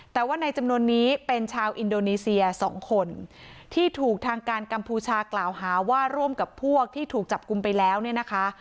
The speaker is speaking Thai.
แต่ว่าในจำนวนนี้เป็นชาวอินโดนีเซีย๒คนที่ถูกทางการกัมพูชากล่าวหาว่าร่วมกับพวกที่ถูกจับกลุ่มไปแล้วเนี่ยนะคะ